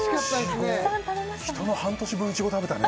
人の半年分いちご食べたね